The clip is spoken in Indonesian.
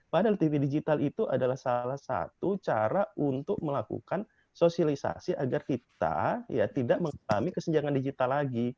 padahal tv digital itu adalah salah satu cara untuk melakukan sosialisasi agar kita tidak mengalami kesenjangan digital lagi